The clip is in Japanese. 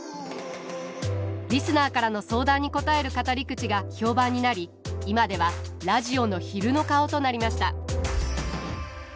リスナーからの相談に答える語り口が評判になり今ではラジオの昼の顔となりました。